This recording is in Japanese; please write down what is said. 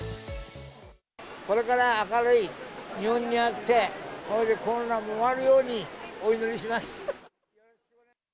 これから明るい日本になって、それでコロナも終わるようにお祈りします。